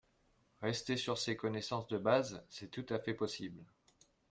Rester sur ces connaissances de base, c'est tout à fait possible